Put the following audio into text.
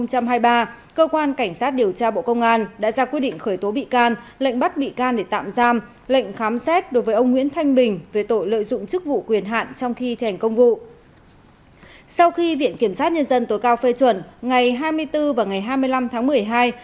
cơ quan cảnh sát điều tra bộ công an đang điều tra vụ án vi phạm quy định về nghiên cứu thăm dò khai thác tài nguyên đưa hối lộ nhận hối lộ nhận hối lộ nhận hối lộ